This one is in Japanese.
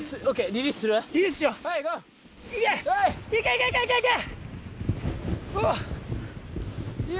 いけいけいけいけ！